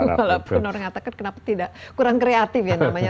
walaupun orang mengatakan kenapa tidak kurang kreatif ya namanya